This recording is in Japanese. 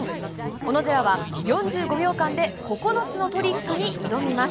小野寺は４５秒間で９つのトリックに挑みます。